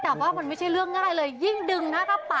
แต่ว่ามันไม่ใช่เรื่องง่ายเลยยิ่งดึงนะถ้าปัด